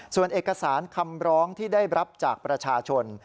ส่วนเอกสารคำร้องที่ได้รับจากประชาชน